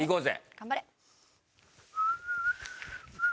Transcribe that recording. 頑張れ。